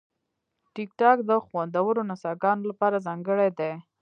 ټیکټاک د خوندورو نڅاګانو لپاره ځانګړی دی.